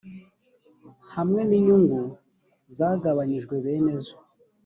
hamwe n inyungu zagabanyijwe bene zo